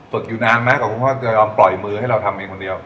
อยู่นานไหมกว่าคุณพ่อจะยอมปล่อยมือให้เราทำเองคนเดียว